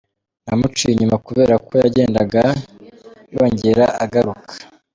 Namuciye inyuma kubera ko yagendaga yongera agaruka”.